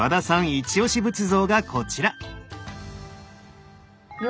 イチオシ仏像がこちら。